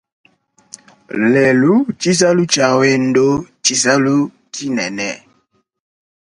Lelu, tshisalu tshia wendo ntshisalu tshinene bikole.